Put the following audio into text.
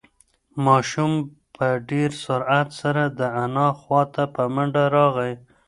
ماشوم په ډېر سرعت سره د انا خواته په منډه راغی.